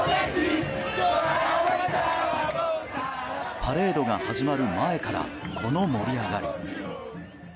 パレードが始まる前からこの盛り上がり。